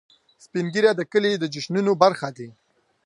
سپین ږیری د کلي د جشنونو برخه دي